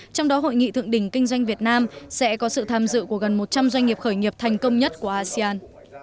trong đó hội nghị thượng đỉnh kinh doanh việt nam sẽ có sự tham dự của gần một trăm linh doanh nghiệp khởi nghiệp thành công nhất của asean